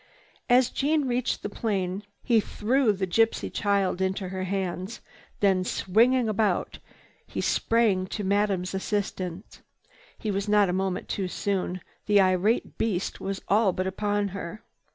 As Jeanne reached the plane he threw the gypsy child into her hands; then swinging about, he sprang to Madame's assistance. He was not a moment too soon. The irate beast was all but upon her.